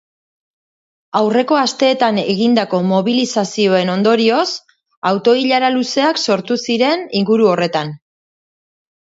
Aurreko asteetan egindako mobilizazioen ondorioz, auto-ilara luzeak sortu ziren inguru horretan.